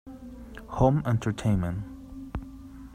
Home Entertainment.